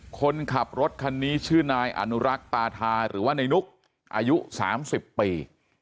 คนขับรถคันนี้ชื่อนายอนุรักษ์ปาธาหรือว่าในนุกอายุ๓๐ปี